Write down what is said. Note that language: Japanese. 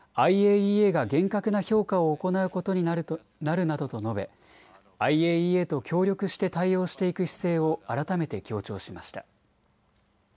ＩＡＥＡが厳格な評価を行うことになるなどと述べＩＡＥＡと協力して対応していく姿勢を改めて強調しました。